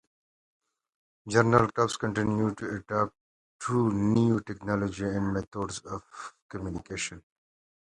Journal clubs continue to adapt to new technology and methods of communication.